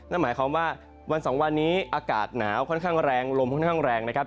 นั่นหมายความว่าวันสองวันนี้อากาศหนาวค่อนข้างแรงลมค่อนข้างแรงนะครับ